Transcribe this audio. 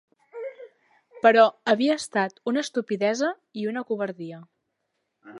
Però havia estat una estupidesa i una covardia